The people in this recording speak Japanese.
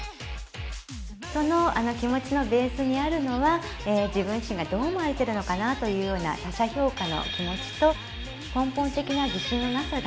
その気持ちのベースにあるのは自分自身がどう思われてるのかなというような他者評価の気持ちと根本的な自信のなさが混在しています。